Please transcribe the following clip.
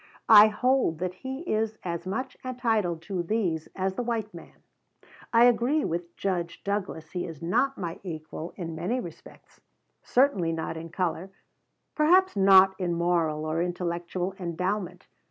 I hold that he is as much entitled to these as the white man. I agree with Judge Douglas he is not my equal in many respects, certainly not in color, perhaps not in moral or intellectual endowment.